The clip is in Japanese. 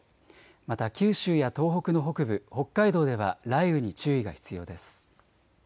また九州や東北の北部、北海道では雷雨に注意が必要です。